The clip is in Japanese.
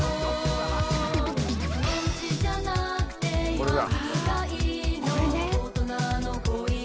「これだ」